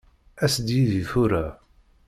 As-d yid-i tura.